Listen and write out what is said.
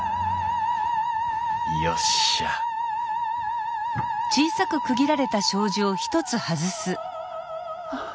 よっしゃあ